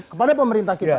kepada pemerintah kita